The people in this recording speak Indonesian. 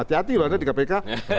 hati hati loh anda di kpk